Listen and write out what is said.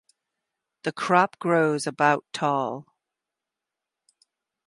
The crop grows about tall.